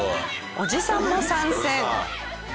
おじさんも参戦。